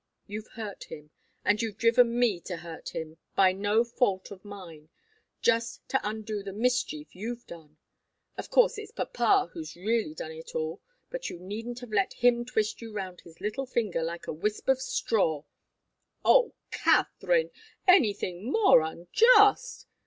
You've hurt him, and you've driven me to hurt him, by no fault of mine, just to undo the mischief you've done. Of course, it's papa who's really done it all, but you needn't have let him twist you round his little finger like a wisp of straw." "Oh, Katharine! Anything more unjust!"